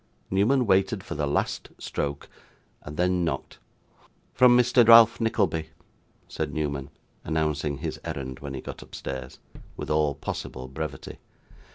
Newman waited for the last stroke, and then knocked. 'From Mr. Ralph Nickleby,' said Newman, announcing his errand, when he got upstairs, with all possible brevity.